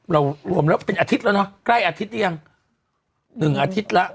รวมแล้วเป็นอาทิตย์แล้วเนอะใกล้อาทิตย์หรือยังหนึ่งอาทิตย์แล้ว